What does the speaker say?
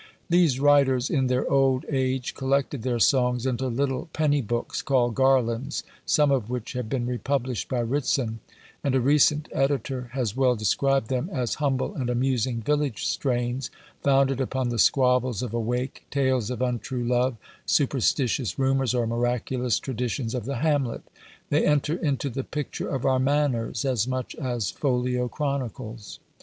These writers, in their old age, collected their songs into little penny books, called "Garlands," some of which have been republished by Ritson; and a recent editor has well described them as "humble and amusing village strains, founded upon the squabbles of a wake, tales of untrue love, superstitious rumours, or miraculous traditions of the hamlet." They enter into the picture of our manners, as much as folio chronicles.